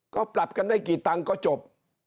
ก็ปรับกันได้กี่ตังค์ก็จบ